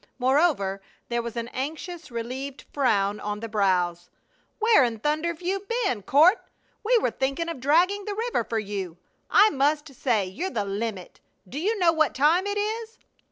Moreover, there was an anxious, relieved frown on the brows. "Where in thunder've you been, Court? We were thinking of dragging the river for you. I must say you're the limit! Do you know what time it is?"